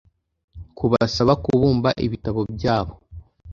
kubasaba kubumba ibitabo byabo.